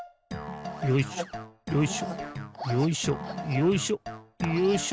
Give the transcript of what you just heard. よいしょよいしょよいしょよいしょよいしょ。